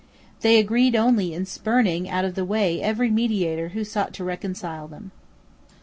They agreed only in spurning out of the way every mediator who sought to reconcile them.